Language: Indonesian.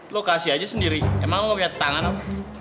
lo kasih aja sendiri emang lo nggak punya tangan om